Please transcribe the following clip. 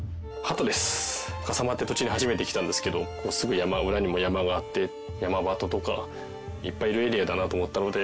笠間っていう土地に初めて来たんですけどすぐ裏にも山があってヤマバトとかいっぱいいるエリアだなと思ったので。